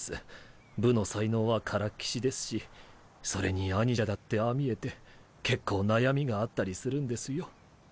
武の才能はからっきしですしそれに兄者だってああ見えて結構悩みがあったりするんですよ。